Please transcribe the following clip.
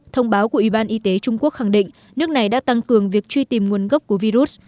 thông báo của ủy ban y tế trung quốc khẳng định nước này đã tăng cường việc truy tìm nguồn gốc của virus